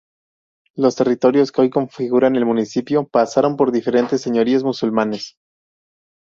Los territorios que hoy configuran el municipio pasaron por diferentes señoríos musulmanes.